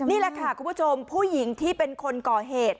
นี่แหละค่ะคุณผู้ชมผู้หญิงที่เป็นคนก่อเหตุ